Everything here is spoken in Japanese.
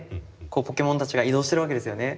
ポケモンたちが移動してるわけですよね。